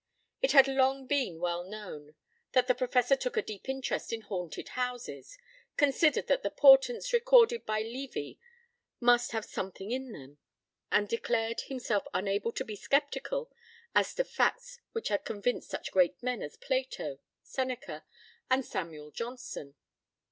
It had long been well known that the Professor took a deep interest in haunted houses, considered that the portents recorded by Livy must have something in them, and declared himself unable to be sceptical as to facts which had convinced such great men as Plato, Seneca, and Samuel Johnson.